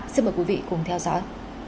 xin mời quý vị cùng theo dõi